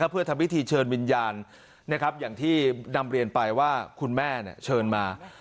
เพื่อทำพิธีเชิญวิญญาณอย่างที่นำเรียนไปว่าคุณแม่เชิญมา